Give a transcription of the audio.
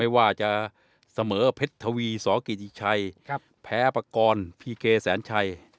ว่าจะเสมอเพชรทวีสกิติชัยแพ้ปากรพีเกแสนชัย